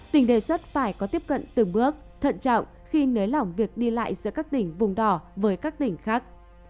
tỉnh đề xuất phải có tiếp cận từng bước thận trọng khi nới lỏng việc đi lại giữa các tỉnh vùng đỏ với các tỉnh khác